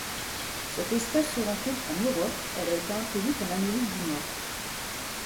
Cette espèce se rencontre en Europe, elle a été introduite en Amérique du Nord.